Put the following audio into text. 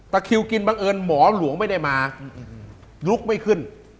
คิวกินบังเอิญหมอหลวงไม่ได้มาลุกไม่ขึ้น